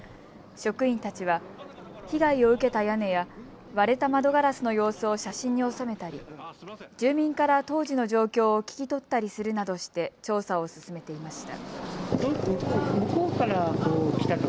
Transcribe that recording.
職員たちは被害を受けた屋根や割れた窓ガラスの様子を写真に収めたり住民から当時の状況を聞き取ったりするなどして調査を進めていました。